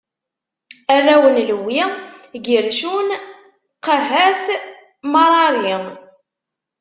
Arraw n Lewwi: Gircun, Qahat, Marari.